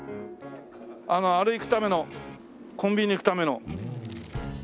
あれ行くためのコンビニ行くための。